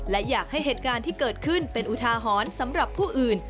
และอยากให้เหตุการณ์ที่เกิดขึ้นเป็นอุทาหรณ์สำหรับผู้อื่น